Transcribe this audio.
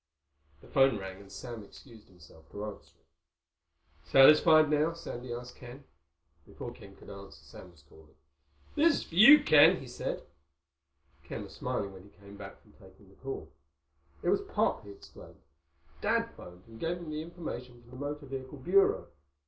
The phone rang and Sam excused himself to answer it. "Satisfied now?" Sandy asked Ken. Before Ken could answer, Sam was calling him. "This is for you, Ken," he said. Ken was smiling when he came back from taking the call. "It was Pop," he explained. "Dad phoned and gave him the information from the Motor Vehicle Bureau."